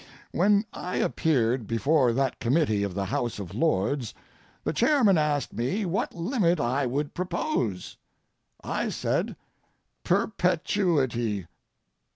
When I appeared before that committee of the House of Lords the chairman asked me what limit I would propose. I said, "Perpetuity."